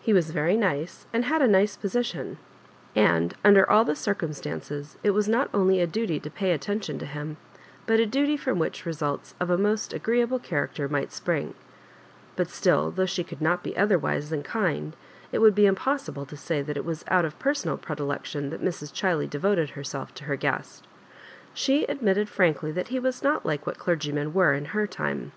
He was veiy nice, and had a nice position*; and, under all the circumstances, it was not only a duty to pay attention to him, but a duty fi om which results of a most agreeable character might spring ; but still, though she could not be lother wise than khid, it would be impossible to say that it was out of personal predilection that Mrs. Ohiley devoted hen»lf to her guest She admitted frankly that be was not like what dergymen were in her time.